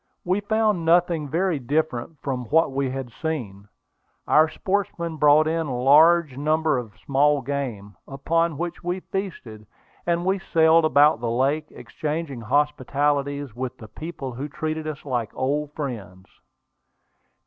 We found nothing very different from what we had seen. Our sportsmen brought in large quantities of small game, upon which we feasted, and we sailed about the lake, exchanging hospitalities with the people who treated us like old friends.